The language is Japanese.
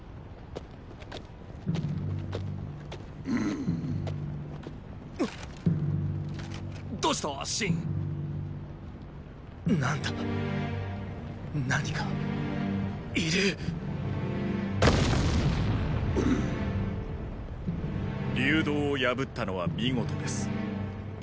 ん⁉どうした信⁉何だ何かいる⁉流動を破ったのは見事です。